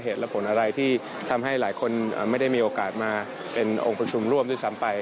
เหตุและผลอะไรที่ทำให้หลายคนไม่ได้มีโอกาสมาเป็นองค์ประชุมร่วมด้วยซ้ำไป